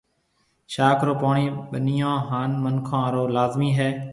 شاخ رو پوڻِي ٻنِيون هانَ مِنکون هارون لازمِي هيَ۔